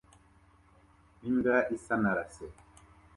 Imbwa isa na Lassie